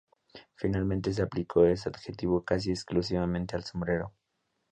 Finalmente se aplicó este adjetivo casi exclusivamente al sombrero.